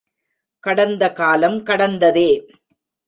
கடந்த காலம் கடந்ததே.